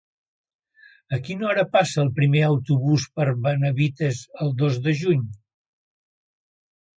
A quina hora passa el primer autobús per Benavites el dos de juny?